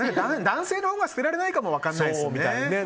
男性のほうが捨てられないかも分からないですね。